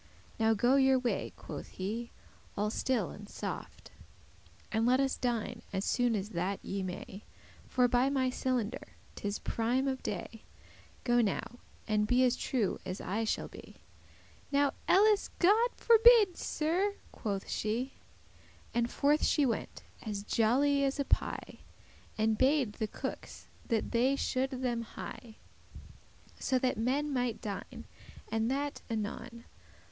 "Go now your way," quoth he, "all still and soft, And let us dine as soon as that ye may, For by my cylinder* 'tis prime of day; *portable sundial Go now, and be as true as I shall be ." "Now elles God forbidde, Sir," quoth she; And forth she went, as jolly as a pie, And bade the cookes that they should them hie,* *make haste So that men mighte dine, and that anon.